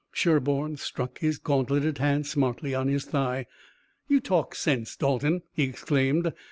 Sherburne struck his gauntleted hand smartly on his thigh. "You talk sense, Dalton!" he exclaimed.